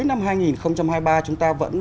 năm hai nghìn hai mươi ba chúng ta vẫn